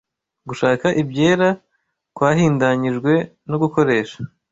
Gushaka ibyera kwahindanyijwe no gukoresha